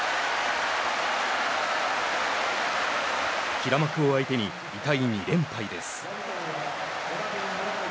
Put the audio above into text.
平幕を相手に痛い２連敗です。